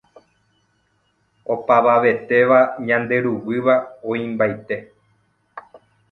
opavavetéva ñanderuguýva oĩmbaite